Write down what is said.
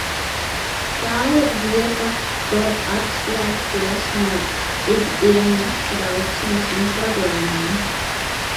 Tā ir vieta, kur atslēgties no ikdienas trauksmes un problēmām.